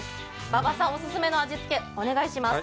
馬場さんお勧めの味付け、お願いします。